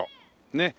ねっ。